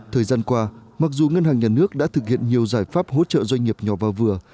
thời gian qua mặc dù ngân hàng nhà nước đã thực hiện nhiều giải pháp hỗ trợ doanh nghiệp nhỏ và vừa